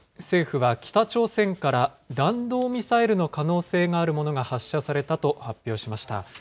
政府は北朝鮮から弾道ミサイルの可能性があるものが発射されたと発表しました。